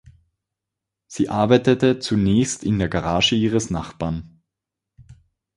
Sie arbeitete zunächst in der Garage ihres Nachbarn.